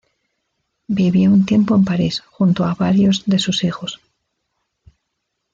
Vivió un tiempo en París junto a varios de sus hijos.